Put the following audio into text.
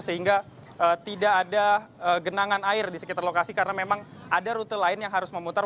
sehingga tidak ada genangan air di sekitar lokasi karena memang ada rute lain yang harus memutar